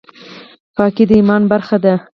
پاکي د ایمان برخه ده